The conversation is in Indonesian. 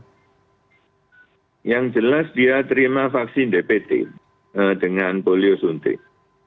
yang jelas dia terima vaksin dpt dengan polio suntik